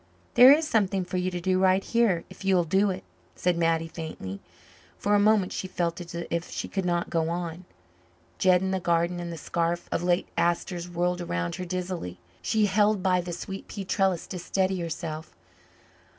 "There is something for you to do right here if you will do it," said Mattie faintly. For a moment she felt as if she could not go on; Jed and the garden and the scarf of late asters whirled around her dizzily. She held by the sweet pea trellis to steady herself.